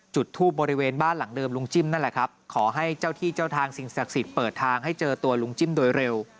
จุดทูบบริเวณบ้านหลังเดิมลุงจิ้มนั่นแหละครับขอให้เจ้าที่เจ้าทางสิ่งศักดิ์สิทธิ์เปิดทางให้เจอตัวลุงจิ้มโดยเร็ว